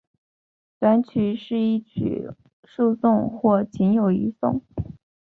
短曲是一曲数颂或仅有一颂。